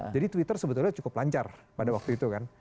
jadi twitter sebetulnya cukup lancar pada waktu itu kan